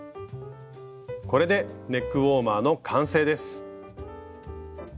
これでネックウォーマーの完成です。